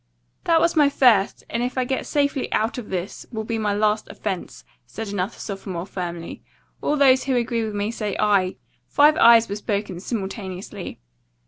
"That was my first, and if I get safely out of this, will be my last offense," said another sophomore firmly. "All those who agree with me say 'aye.'" Five "ayes" were spoken simultaneously.